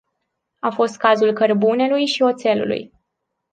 A fost cazul cărbunelui și oțelului.